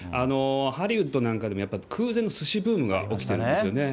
ハリウッドなんかでも、やっぱり空前のスシブームが起きてるんですよね。